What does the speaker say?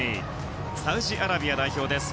サウジアラビア代表です。